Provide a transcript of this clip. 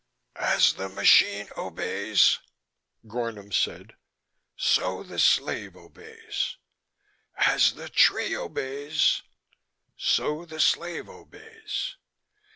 "As the machine obeys," Gornom said, "so the slave obeys. As the tree obeys, so the slave obeys.